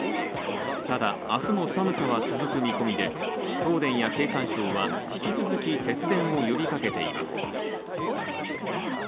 ただ、明日も寒さは続く見込みで東電や経産省は引き続き節電を呼びかけています。